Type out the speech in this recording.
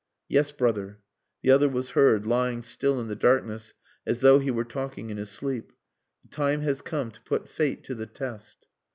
"Yes, brother." The other was heard, lying still in the darkness as though he were talking in his sleep. "The time has come to put fate to the test."